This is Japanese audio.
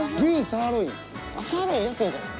サーロイン安いんじゃない？